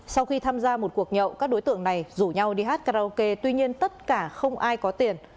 sau khi tham gia một cuộc nhậu các đối tượng này rủ nhau đi hát karaoke tuy nhiên tất cả không ai có tiền